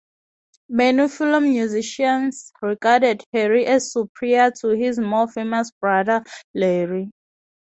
Many fellow musicians regarded Harry as superior to his more famous brother, Larry.